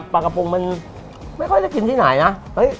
ปลากระพงมันไม่ค่อยได้กินที่ไหนนะ